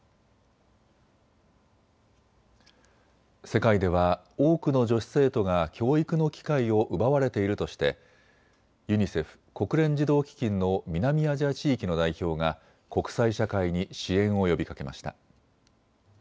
世界では多くの女子生徒が教育の機会を奪われているとしてユニセフ・国連児童基金の南アジア地域の代表が国際社会に支援を呼びかけました。